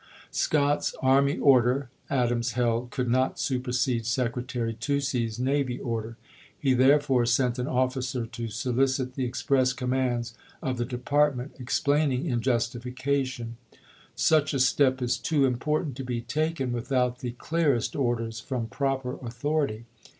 Scott's isei. army order, Adams held, could not supersede Sec retary Toucey's navy order; he therefore sent an officer to solicit the express commands of the De partment, explaining in justification : Such a step is too important to be taken without the clearest orders from proper authority.